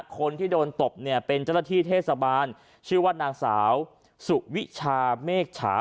คนที่โดนตบเนี่ยเป็นเจ้าหน้าที่เทศบาลชื่อว่านางสาวสุวิชาเมฆฉา